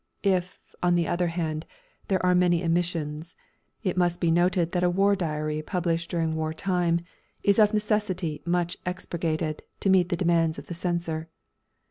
If, on the other hand, there are many omissions, it must be noted that a War Diary published during war time is of necessity much expurgated to meet the demands of the censor.